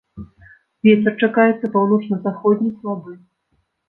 Вецер чакаецца паўночна-заходні слабы.